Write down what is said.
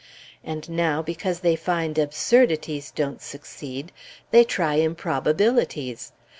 And now, because they find absurdities don't succeed, they try improbabilities.